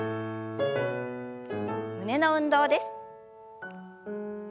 胸の運動です。